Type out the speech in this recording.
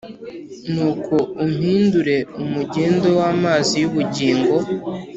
Nuko umpindure umugende w’amazi y’ubugingo